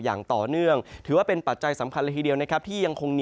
อย่างต่อเนื่อง